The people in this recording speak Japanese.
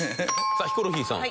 さあヒコロヒーさん。